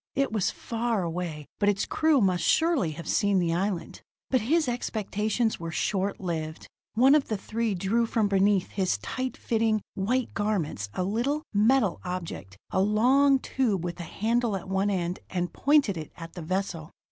It was far away, but its crew must surely have seen the island. But his expectations were short lived. One of the three drew from beneath his tight fitting, white garments a little, metal object, a long tube, with a handle at one end, and pointed it at the vessel.